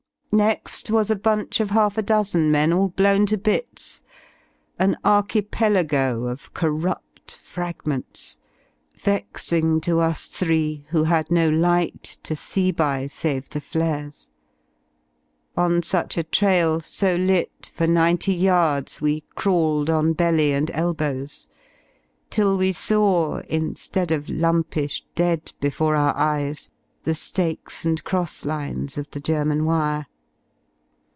Next was a bunch of half a dozen men All blozvn to bits, an archipelago Of corrupt fragments, vexing to us three, 82 IVho had no light to see by^ save the flares. On such a trail y so lit ^ for ninety yards We crawled on belly and elbows , till we saWy Instead of lumpish dead before our eyes^ The Stakes and crosslmes of the German wire.